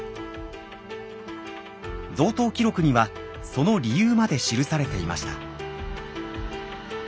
贈答記録にはその理由まで記されていました。